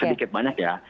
sedikit banyak ya